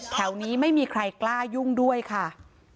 แถวนี้ไม่มีใครกล้ายุ่งด้วยค่ะ